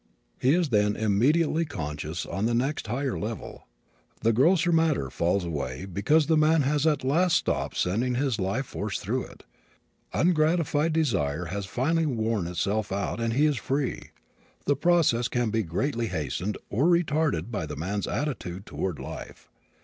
He is then immediately conscious on the next higher level. The grosser matter falls away because the man has at last stopped sending his life force through it. Ungratified desire has finally worn itself out and he is free. The process can be greatly hastened or retarded by the man's attitude toward life.